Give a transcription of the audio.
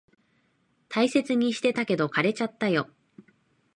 大切にしてたけど、枯れちゃったよ。